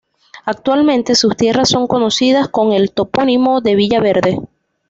Actualmente sus tierras son conocidas con el topónimo de "Villaverde".